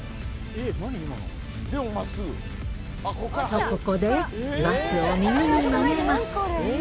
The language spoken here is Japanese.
と、ここでバスを右に曲げます。